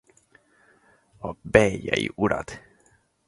A bellyei urad.